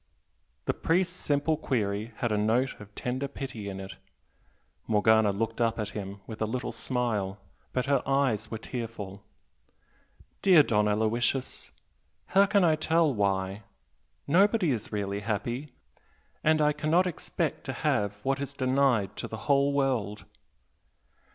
The priest's simple query had a note of tender pity in it. Morgana looked up at him with a little smile, but her eyes were tearful. "Dear Don Aloysius, how can I tell 'why'? Nobody is really happy, and I cannot expect to have what is denied to the whole world!"